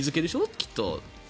きっと。